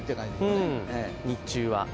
日中は。